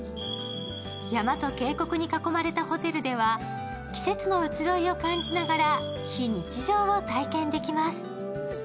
山と渓谷に囲まれたホテルでは季節の移ろいを感じながら非日常を体験出来ます。